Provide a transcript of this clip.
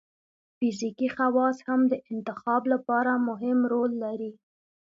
فزیکي خواص هم د انتخاب لپاره مهم رول لري.